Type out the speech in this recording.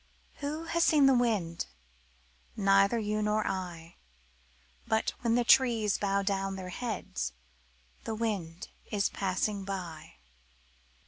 Who has seen the wind? Neither you nor I; :^^^^^^^^ But when the trees bow down their heads"^^"^ The wind is passing by.